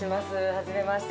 はじめまして。